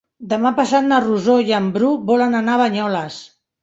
Demà passat na Rosó i en Bru volen anar a Banyoles.